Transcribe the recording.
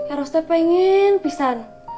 eros pengen pisan